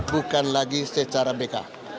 bukan lagi secara bk